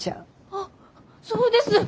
あっそうです